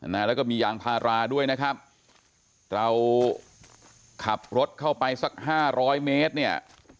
แล้วก็มียางพาราด้วยนะครับเราขับรถเข้าไปสัก๕๐๐เมตร